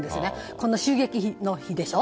この襲撃の日でしょ。